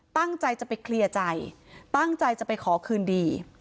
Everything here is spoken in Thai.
ตั้งใจจะไปเคลียร์ใจตั้งใจจะไปขอคืนดี